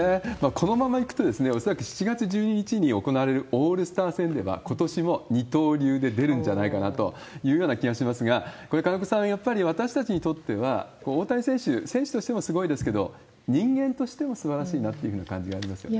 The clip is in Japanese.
このままいくと、恐らく７月１２日に行われるオールスター戦では、ことしも二刀流で出るんじゃないかなというような気がしますが、これ、金子さん、やっぱり私たちにとっては大谷選手、選手としてもすごいですけれども、人間としてもすばらしいなという感じはありますよね。